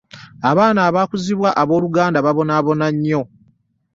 Abaana abakuzibwa abooluganda babonaabona nnyo.